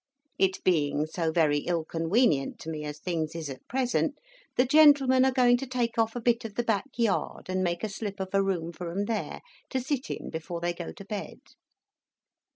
It being so very ill conwenient to me as things is at present, the gentlemen are going to take off a bit of the back yard, and make a slip of a room for 'em there, to sit in before they go to bed."